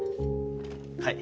はい。